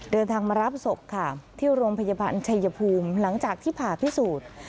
เดินทางมารับศพค่ะที่โรงพยาบาลชัยภูมิหลังจากที่ผ่าพิสูจน์